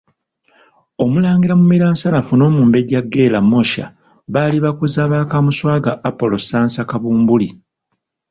Omulangira Mumiransanafu n’omumbejja Geera Mosha baali bakuza ba Kaamuswaga Apollo Ssansa Kabumbuli.